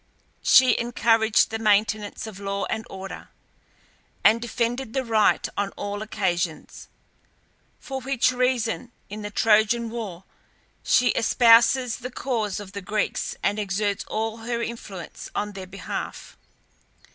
She encouraged the maintenance of law and order, and defended the right on all occasions, for which reason, in the Trojan war she espouses the cause of the Greeks and exerts all her influence on their behalf.